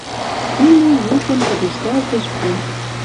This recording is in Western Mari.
Тӱнӹ юкын пыдештӓлтеш пу.